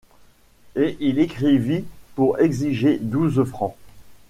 Et il écrivit pour exiger douze francs.